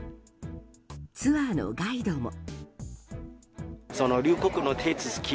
ツアーのガイドも。